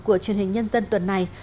của truyền hình nhân dân tuần này